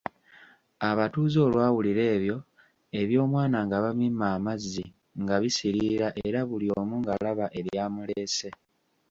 Abatuuze olwawulira ebyo, eby'omwana nga babimma amazzi nga bisiriira era buli omu ng'alaba eryamuleese.